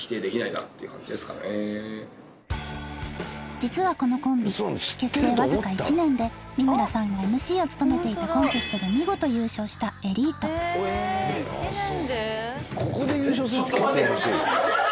実はこのコンビ結成わずか１年で三村さんがＭＣを務めていたコンテストで見事優勝したエリートちょっと待てよ！